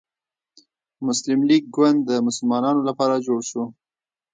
مسلم لیګ ګوند د مسلمانانو لپاره جوړ شو.